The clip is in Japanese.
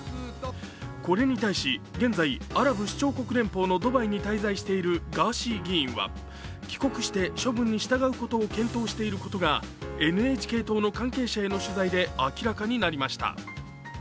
これに対し、現在、アラブ首長国連邦のドバイに滞在しているガーシー議員は帰国して処分に従うことを検討していることがＮＨＫ党の関係者への取材で明らかになりました。